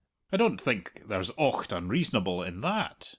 I don't think there's ocht unreasonable in tha at.